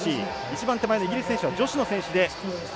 一番手前のイギリス選手は女子の選手で、Ｓ１２。